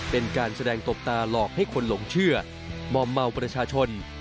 เป็นการแสดงตบตาหลอกให้คนหลงเชื่อมอมเมาประชาชน